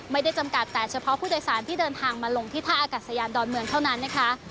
จำกัดแต่เฉพาะผู้โดยสารที่เดินทางมาลงที่ท่าอากาศยานดอนเมืองเท่านั้นนะคะ